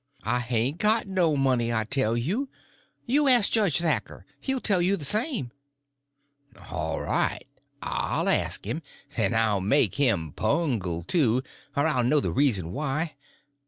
"I hain't got no money, I tell you. You ask Judge Thatcher; he'll tell you the same." "All right. I'll ask him; and I'll make him pungle, too, or I'll know the reason why.